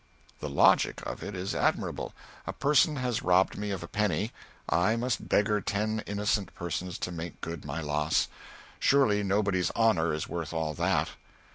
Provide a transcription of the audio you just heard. The logic of it is admirable: a person has robbed me of a penny; I must beggar ten innocent persons to make good my loss. Surely nobody's "honor" is worth all that.